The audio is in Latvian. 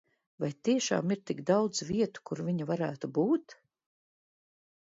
Vai tiešām ir tik daudz vietu, kur viņa varētu būt?